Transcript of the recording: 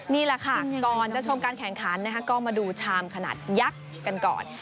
นี่แหละค่ะก่อนจะชมการแข่งขันนะคะก็มาดูชามขนาดยักษ์กันก่อน